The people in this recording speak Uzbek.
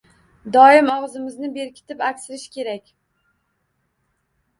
Doim og‘zimizni berkitib aksirish kerak.